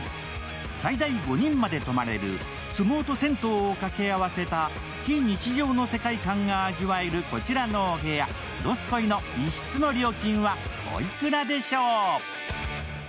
最大５人まで泊まれる相撲と銭湯を掛け合わせた非日常の世界観が味わえるこちらのお部屋、ＤＯＳＵＫＯＩの１室の料金はおいくらでしょう？